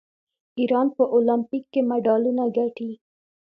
ایران په المپیک کې مډالونه ګټي.